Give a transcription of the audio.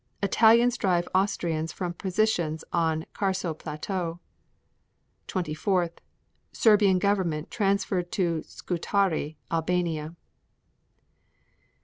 Italians drive Austrians from positions on Carso Plateau. 24. Serbian government transferred to Scutari, Albania.